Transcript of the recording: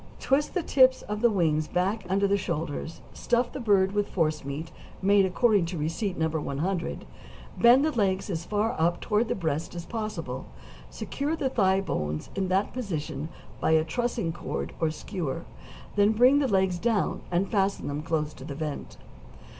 Twist the tips of the wings back under the shoulders, stuff the bird with forcemeat made according to receipt No. 100; bend the legs as far up toward the breast as possible, secure the thigh bones in that position by a trussing cord or skewer; then bring the legs down, and fasten them close to the vent.